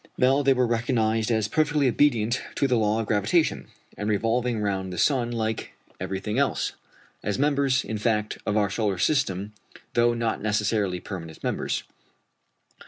Now they were recognized as perfectly obedient to the law of gravitation, and revolving round the sun like everything else as members, in fact, of our solar system, though not necessarily permanent members.